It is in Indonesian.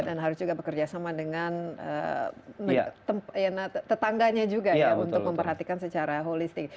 dan harus juga bekerjasama dengan tetangganya juga untuk memperhatikan secara holistik